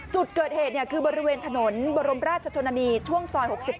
จุดเกิดเหตุคือบริเวณถนนบรมราชชนนานีช่วงซอย๖๗